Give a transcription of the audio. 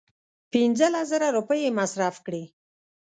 پنځه لس زره روپۍ یې مصرف کړې.